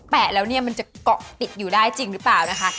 แปะแล้วเนี่ยมันจะเกาะติดอยู่ได้จริงหรือเปล่านะคะ